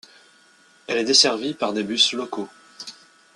Elle est desservie par des bus locaux.